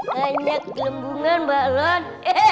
banyak gelembungan mbak lon